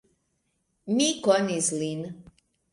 Mi konis lin.